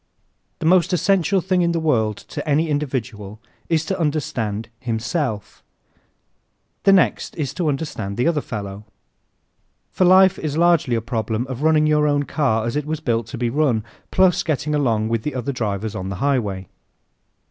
_ The most essential thing in the world to any individual is to understand himself. The next is to understand the other fellow. For life is largely a problem of running your own car as it was built to be run, plus getting along with the other drivers on the highway.